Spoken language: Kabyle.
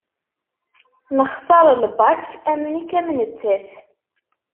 Nexser lbak am nekk am nettat.